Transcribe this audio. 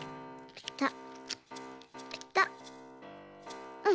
ペタッ。